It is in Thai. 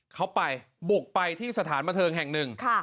เขาไปบุกไปที่สถานบันเทิงแห่งหนึ่ง